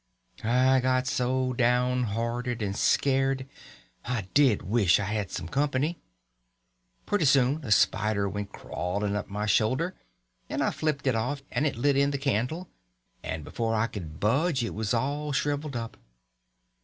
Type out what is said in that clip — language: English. I got so down hearted and scared I did wish I had some company. Pretty soon a spider went crawling up my shoulder, and I flipped it off and it lit in the candle; and before I could budge it was all shriveled up.